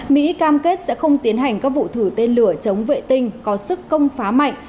mỹ cam kết sẽ không tiến hành các vụ thử tên lửa chống vệ tinh có sức công phá mạnh